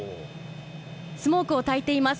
スモークをたいています。